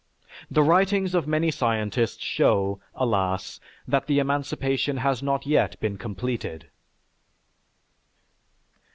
The writings of many scientists show, alas, that the emancipation has not yet been completed.